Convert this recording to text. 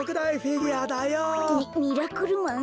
ミミラクルマン？